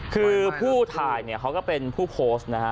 คือผู้ถ่ายเนี่ยเขาก็เป็นผู้โพสต์นะฮะ